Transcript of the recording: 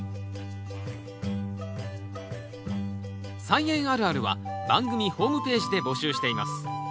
「菜園あるある」は番組ホームページで募集しています。